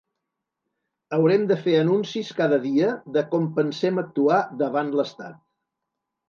Haurem de fer anuncis cada dia de com pensem actuar davant l’estat.